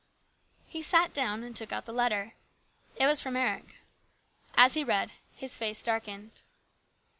He sat down and took out the letter. It was from Eric. As he read, his face darkened.